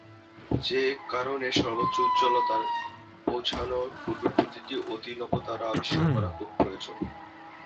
সে কারণে সর্বোচ্চ উজ্জ্বলতায় পৌঁছানোর পূর্বেই প্রতিটি অতিনবতারা আবিষ্কার করা খুব প্রয়োজন।